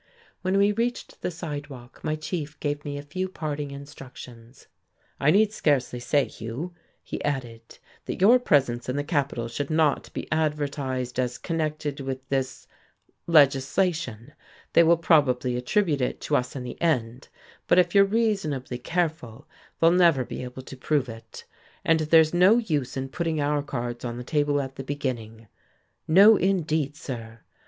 When we reached the sidewalk my chief gave me a few parting instructions. "I need scarcely say, Hugh," he added, "that your presence in the capital should not be advertised as connected with this legislation. They will probably attribute it to us in the end, but if you're reasonably careful, they'll never be able to prove it. And there's no use in putting our cards on the table at the beginning." "No indeed, sir!"